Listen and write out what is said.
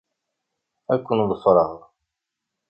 Ad ken-ḍefreɣ.